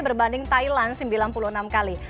berbanding thailand sembilan puluh enam kali